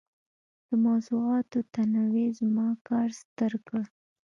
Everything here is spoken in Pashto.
د موضوعاتو تنوع زما کار ستر کړ.